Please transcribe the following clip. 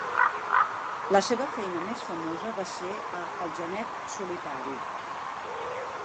La seva feina més famosa va ser a "El genet solitari".